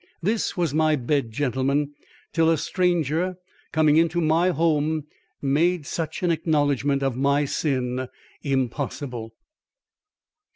"This was my bed, gentlemen, till a stranger coming into my home, made such an acknowledgment of my sin impossible!"